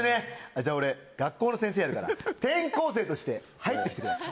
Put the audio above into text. じゃ俺学校の先生やるから転校生として入って来てください。